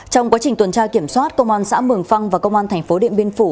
trong quá trình tuần tra kiểm soát công an xã mường phăng và công an tp điện biên phủ